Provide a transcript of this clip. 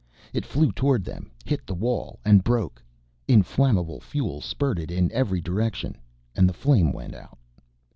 It flew towards them, hit the wall and broke, inflammable fuel spurted in every direction and the flame went out.